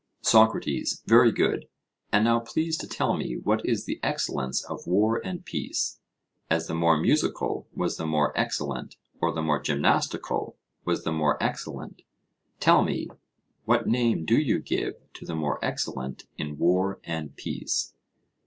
SOCRATES: Very good; and now please to tell me what is the excellence of war and peace; as the more musical was the more excellent, or the more gymnastical was the more excellent, tell me, what name do you give to the more excellent in war and peace?